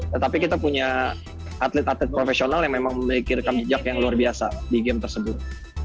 tetapi kita punya atlet atlet profesional yang memang memiliki rekam jejak yang luar biasa di game tersebut